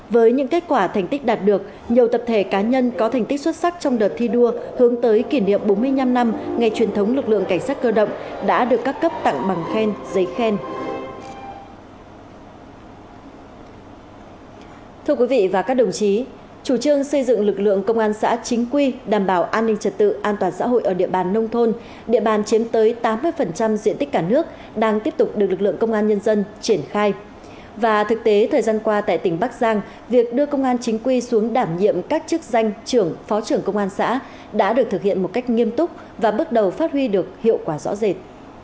và thực tế thời gian qua tại tỉnh bắc giang việc đưa công an chính quy xuống đảm nhiệm các chức danh trưởng phó trưởng công an xã đã được thực hiện một cách nghiêm túc và bước đầu phát huy được hiệu quả rõ rệt